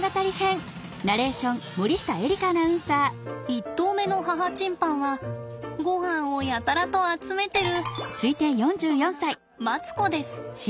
１頭目の母チンパンはごはんをやたらと集めてるその名はマツコです。